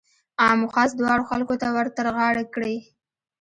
عام او خاص دواړو خلکو ته ورترغاړه کړي.